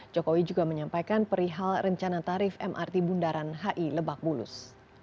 jokowi juga menyampaikan perihal rencana tarif mrt bundaran hi lebak bulus